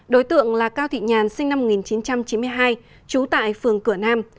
đối tượng là cao thị nhàn sinh năm một nghìn chín trăm chín mươi hai trú tại phường cửa nam